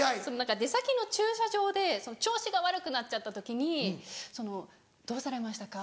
出先の駐車場で調子が悪くなっちゃった時に「どうされましたか？